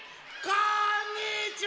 こんにちは！